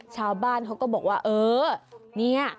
ชาวบ้านเขาก็บอกว่าเออเนี่ย